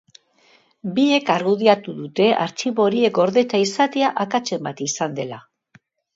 Biek argudiatu dute artxibo horiek gordeta izatea akatsen bat izan dela.